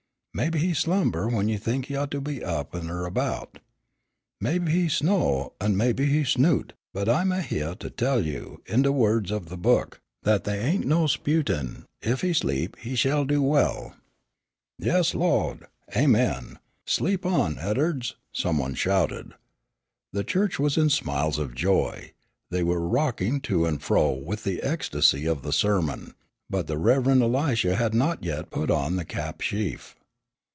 Mebbe he slumber w'en you think he ought to be up an' erbout. Mebbe he sno' an' mebbe he sno't, but I'm a hyeah to tell you, in de wo'ds of the Book, that they ain't no 'sputin' 'Ef he sleep, he shell do well!'" "Yes, Lawd!" "Amen!" "Sleep on Ed'ards!" some one shouted. The church was in smiles of joy. They were rocking to and fro with the ecstasy of the sermon, but the Rev. Elisha had not yet put on the cap sheaf.